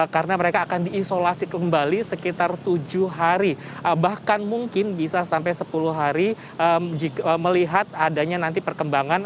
karena mereka akan diisolasi kembali sekitar tujuh hari bahkan mungkin bisa sampai sepuluh hari melihat adanya nanti perkembangan